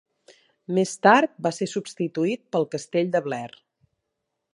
Més tard va ser substituït pel castell de Blair.